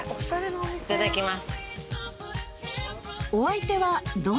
いただきます。